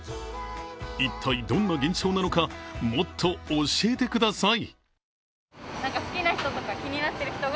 一体、どんな現象なのかもっと教えてください。